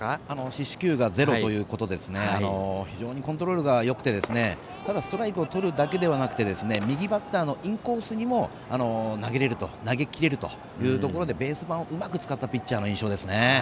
四死球がゼロということで非常にコントロールがよくてただストライクをとるだけじゃなくて右バッターのインコースにも投げきれるというところでベース板をうまくつかったピッチャーの印象ですね。